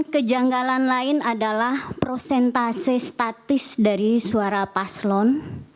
kejanggalan lain adalah prosentase statis dari suara paslon